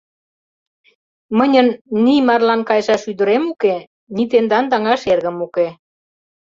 Мыньын ни марлан кайышаш ӱдырем уке, ни тендан таҥаш эргым уке.